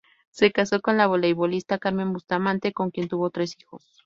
Se casó con la voleibolista Carmen Bustamante, con quien tuvo tres hijos.